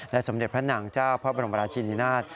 สมเด็จพระนางเจ้าพระบรมราชินินาศ